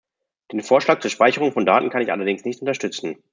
Den Vorschlag zur Speicherung von Daten kann ich allerdings nicht unterstützen.